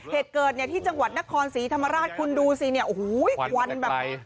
เหตุเกิดเนี่ยที่จังหวัดนครศรีธรรมราชคุณดูสิเนี่ยโอ้โหควันแบบ